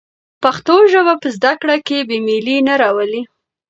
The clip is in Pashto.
پښتو ژبه په زده کړه کې بې میلي نه راولي.